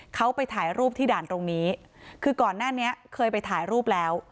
เขาไปถ่ายรูปที่ด่านตรงนี้คือก่อนหน้านี้เคยไปถ่ายรูปแล้ว